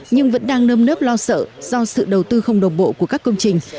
nhưng vẫn đang nơm nớp lo sợ do sự đầu tư không đồng bộ của các công trình